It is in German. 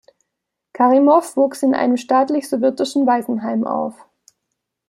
Karimov wuchs in einem staatlichen sowjetischen Waisenheim auf.